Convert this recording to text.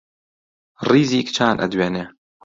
ڕیزی کچان ئەدوێنێ